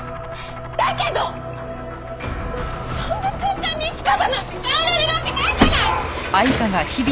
だけどそんな簡単に生き方なんて変えられるわけないじゃない！